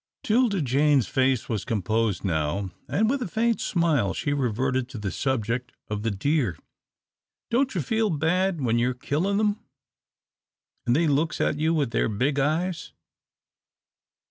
'Tilda Jane's face was composed now, and with a faint smile she reverted to the subject of the deer. "Don't you feel bad when you're killin' them, an' they looks at you with their big eyes?"